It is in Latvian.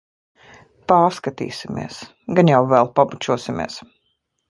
Paskatīsimies. Gan jau vēl pabučosimies.